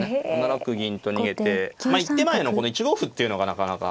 ７六銀と逃げて一手前の１五歩っていうのがなかなか。